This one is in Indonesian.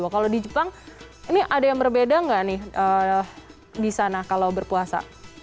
kalau di jepang ini ada yang berbeda nggak nih di sana kalau berpuasa